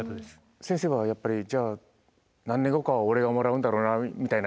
先生はやっぱりじゃあ何年後かは俺がもらうんだろうなみたいな。